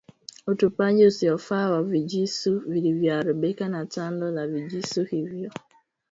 Utupaji usiofaa wa vijusi vilivyoharibika na tando za vijusi hivyo